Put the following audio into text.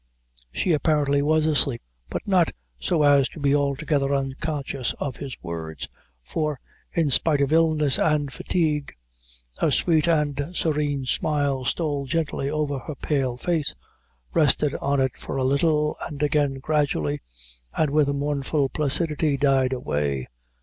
She apparently was asleep, but not so as to be altogether unconscious of his words, for, in spite of illness and fatigue, a sweet and serene smile stole gently over her pale face, rested on it for a little, and again, gradually, and with a mournful placidity died away.